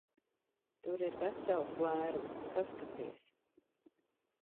Tur ir vesels lērums. Paskaties!